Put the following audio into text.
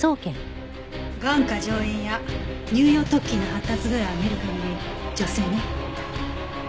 眼窩上縁や乳様突起の発達具合を見る限り女性ね。